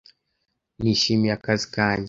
Nishimiye akazi kanjye.